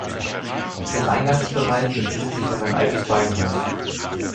Im Eingangsbereich befindet sich noch ein altes Beinhaus.